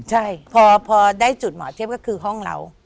ใช่พอได้จุดหมอเทียบก็คือห้องเรา